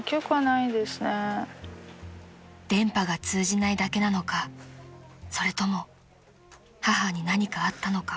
［電波が通じないだけなのかそれとも母に何かあったのか］